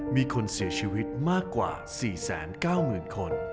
มีคนเสียชีวิตมากกว่า๔๙๐๐๐คน